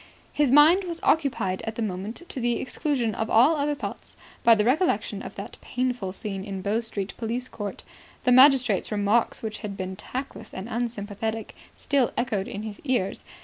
His mind was occupied at the moment, to the exclusion of all other thoughts, by the recollection of that painful scene in Bow Street Police Court. The magistrate's remarks, which had been tactless and unsympathetic, still echoed in his ears.